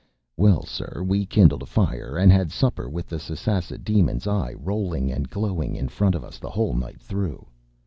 ” Well, sir, we kindled a fire, and had supper with the Sasassa demon’s eye rolling and glowing in front of us the whole night through.